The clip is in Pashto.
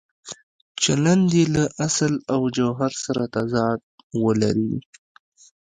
چلند یې له اصل او جوهر سره تضاد ولري.